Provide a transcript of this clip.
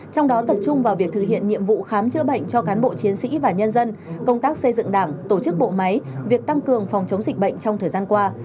trong đó tập trung vào việc thực hiện nhiệm vụ khám chữa bệnh cho cán bộ chiến sĩ và nhân dân công tác xây dựng đảng tổ chức bộ máy việc tăng cường phòng chống dịch bệnh trong thời gian qua